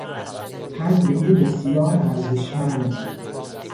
پند او بسیار ارزشمند بود.